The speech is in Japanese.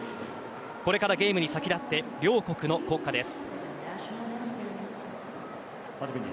これからゲームに先立って両国の国歌です。